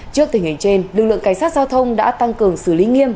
trước tình hình trên lực lượng cảnh sát giao thông đã tăng cường xử lý nghiêm